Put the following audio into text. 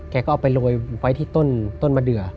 แกก็เอาไปโรยไว้ที่ต้นมะเดือ